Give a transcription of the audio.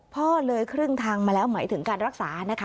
พ่อเลยครึ่งทางมาแล้วหมายถึงการรักษานะคะ